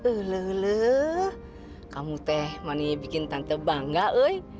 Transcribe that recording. ulu ulu kamu teh mani bikin tante bangga wey